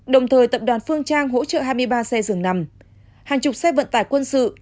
đồng thời tập đoàn phương trang hỗ trợ hai mươi ba xe dường nằm hàng chục xe vận tải quân sự